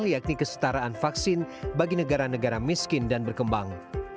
yakni kesetaraan vaksin bagi negara negara miskin dan berkembang